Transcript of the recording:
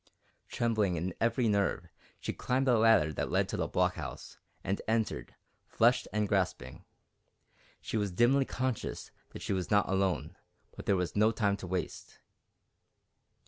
Trembling in every nerve, she climbed the ladder that led to the blockhouse, and entered, flushed and gasping. She was dimly conscious that she was not alone, but there was no time to waste.